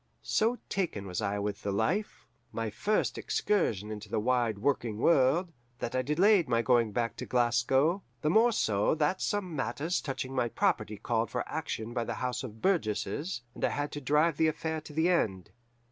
So taken was I with the life my first excursion into the wide working world that I delayed my going back to Glasgow, the more so that some matters touching my property called for action by the House of Burgesses, and I had to drive the affair to the end.